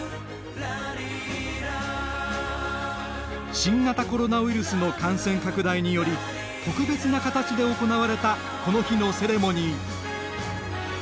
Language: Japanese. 新型コロナウイルスの感染拡大により特別な形で行われたこの日のセレモニー。